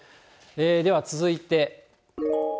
では続いて。